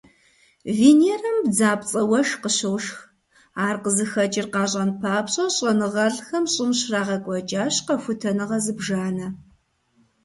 Венерэм бдзапцIэ уэшх къыщошх. Ар къызыхэкIыр къащIэн папщIэ щIэныгъэлIхэм ЩIым щрагъэкIуэкIащ къэхутэныгъэ зыбжанэ.